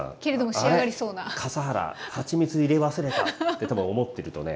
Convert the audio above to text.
あれ笠原はちみつ入れ忘れた？って多分思ってるとね